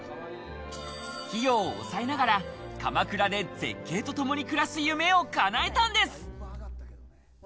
費用を抑えながら鎌倉で絶景とともに暮らす夢を叶えたんです。